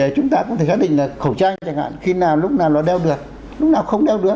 chúng ta cũng thể khẳng định là khẩu trang chẳng hạn khi nào lúc nào nó đeo được lúc nào không đeo đứa